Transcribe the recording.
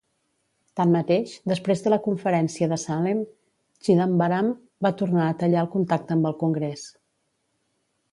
Tanmateix, després de la conferència de Salem, Chidambaram va tornar a tallar el contacte amb el Congrés.